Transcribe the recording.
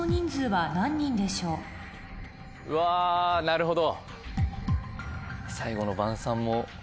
なるほど。